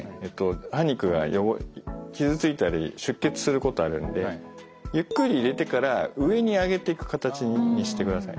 歯肉が傷ついたり出血することがあるのでゆっくり入れてから上に上げていく形にしてください。